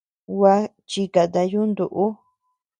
Gua chikata yuntu ú.